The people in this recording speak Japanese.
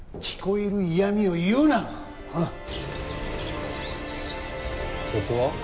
聞こえる嫌みを言うなここは？